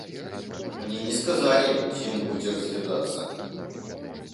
Мне не сказалі, дзе ён будзе разглядацца.